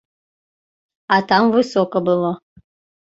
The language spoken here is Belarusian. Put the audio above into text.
А там высока было.